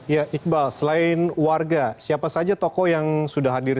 ya iqbal selain warga siapa saja tokoh yang sudah hadir